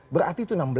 berarti itu enam belas